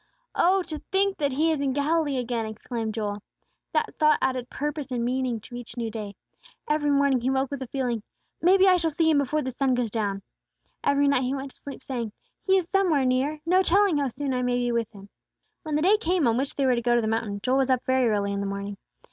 "Oh, to think that He is in Galilee again!" exclaimed Joel. That thought added purpose and meaning to each new day. Every morning he woke with the feeling, "Maybe I shall see Him before the sun goes down." Every night he went to sleep saying, "He is somewhere near! No telling how soon I may be with Him!" When the day came on which they were to go to the mountain, Joel was up very early in the morning.